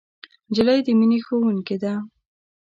نجلۍ د مینې ښوونکې ده.